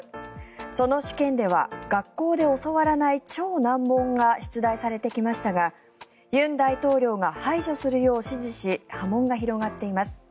その試験では、学校で教わらない超難問が出題されてきましたが尹大統領が排除するよう指示し波紋が広がっています。